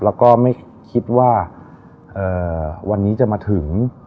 แล้วก็ไม่คิดว่าวันนี้จะมาถึง